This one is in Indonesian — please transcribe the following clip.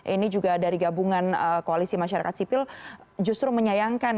ini juga dari gabungan koalisi masyarakat sipil justru menyayangkan